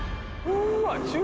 うわ！